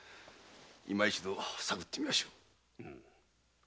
いま一度探ってみましょう。